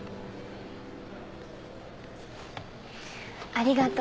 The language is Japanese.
ありがと。